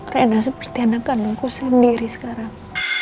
rena seperti anak kandungku sendiri sekarang